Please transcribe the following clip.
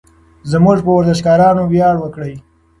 زموږ په ورزشکارانو ویاړ وکړئ.